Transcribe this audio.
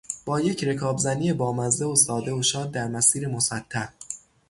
با یک رکابزنی بامزه و ساده و شاد در مسیر مسطح.